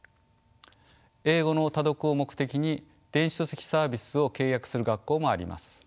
英語の多読を目的に電子書籍サービスを契約する学校もあります。